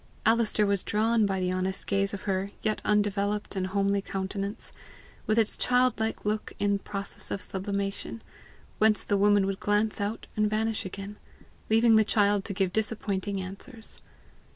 Alister was drawn by the honest gaze of her yet undeveloped and homely countenance, with its child look in process of sublimation, whence the woman would glance out and vanish again, leaving the child to give disappointing answers.